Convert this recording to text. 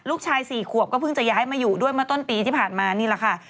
ลูกชาย๔ขวบก็เพิ่งจะย้ายมาอยู่ด้วยเมื่อต้นปีที่ผ่านมานี่แหละค่ะ